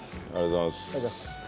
ありがとうございます。